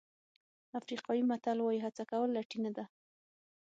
افریقایي متل وایي هڅه کول لټي نه ده.